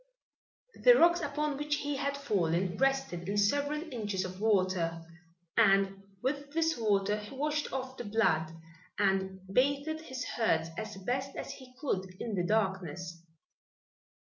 The rocks upon which he had fallen rested in several inches of water, and with this water he washed off the blood and bathed his hurts as best he could in the darkness.